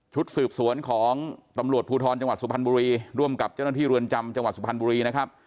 สืบสวนของตำรวจภูทรจังหวัดสุพรรณบุรีร่วมกับเจ้าหน้าที่เรือนจำจังหวัดสุพรรณบุรีนะครับ